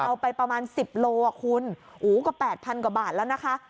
เอาไปประมาณสิบโลอ่ะคุณอู๋กว่าแปดพันกว่าบาทแล้วนะคะ